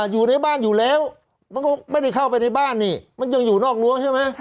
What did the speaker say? อยู่ในบ้านอยู่แล้วมันก็ไม่ได้เข้าไปในบ้านนี่มันยังอยู่นอกรั้วใช่ไหม